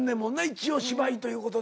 一応芝居ということで。